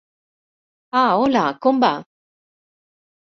Ah, hola, com va?